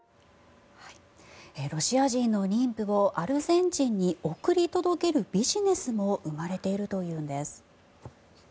ロシア人の妊婦をアルゼンチンに送り届けるビジネスも生まれているというんです。